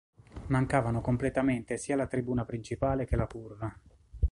Mancavano completamente sia la tribuna principale che la curva.